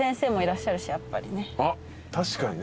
あっ確かにね。